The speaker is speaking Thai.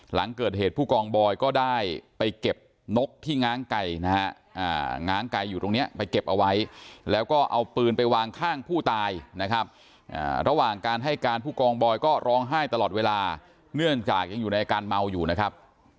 หลังเกิดเหตุผู้กองบอยก็ได้ไปเก็บนกที่ง้างไก่นะฮะง้างไก่อยู่ตรงนี้ไปเก็บเอาไว้แล้วก็เอาปืนไปวางข้างผู้ตายนะครับระหว่างการให้การผู้กองบอยก็ร้องไห้ตลอดเวลาเนื่องจากยังอยู่ในอาการเมาอยู่นะครับ